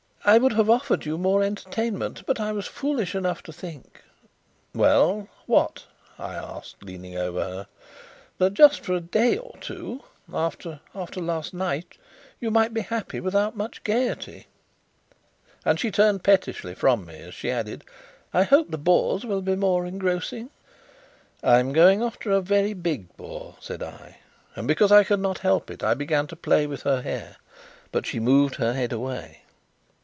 "I would have offered you more entertainment, but I was foolish enough to think " "Well, what?" I asked, leaning over her. "That just for a day or two after after last night you might be happy without much gaiety;" and she turned pettishly from me, as she added, "I hope the boars will be more engrossing." "I'm going after a very big boar," said I; and, because I could not help it, I began to play with her hair, but she moved her head away.